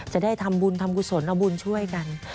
จะได้ทำบุญทำกุศลเอาบุญช่วยกัน